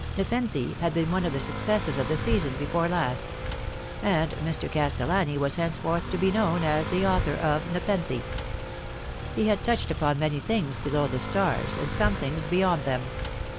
Nepenthe had been one of the successes of the season before last : and Mr. Castellani was henceforth to be known as the author of Nepenthe. He had touched upon many things below the stars, and some things beyond them.